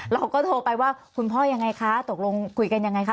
เราก็โทรไปว่าคุณพ่อยังไงคะตกลงคุยกันยังไงคะ